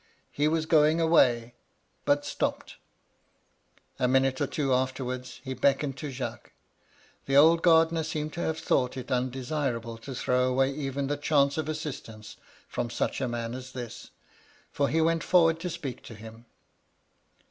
He was going away, but stopped. A minute or two afterwards, he beckoned to Jacques. The old gardener seems to have thought it undesirable to throw away even the chance of assistance from such a man as this, for he went forwards to speak to him.